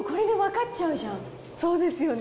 でもこれで分かっちゃうじゃん。